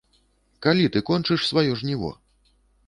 Калі ты кончыш сваё жніво?